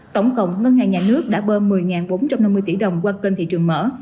tổng cộng ngân hàng nhà nước đã bơm một mươi bốn trăm năm mươi tỷ đồng qua kênh thị trường mở